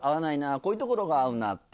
こういうところが合うなって。